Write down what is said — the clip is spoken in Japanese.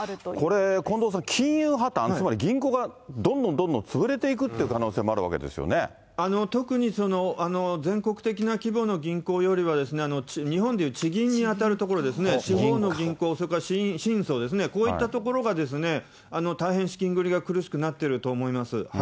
これ、近藤さん、金融破綻、つまり銀行がどんどんどんどん潰れていくという可能性もあるわけ特に全国的な規模の銀行よりはですね、日本でいう地銀に当たるところですね、地方の銀行、それから信組ですね、こういったところが大変資金繰りが苦しくなっていると思います。